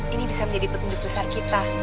ini bisa menjadi petunjuk besar kita